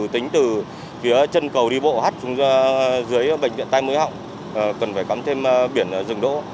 tính từ phía chân cầu đi bộ hắt xuống dưới bệnh viện tây mới họng cần phải cấm thêm biển dừng đỗ